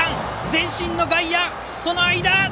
前進の外野の間！